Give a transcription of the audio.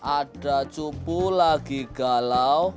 ada cupu lagi galau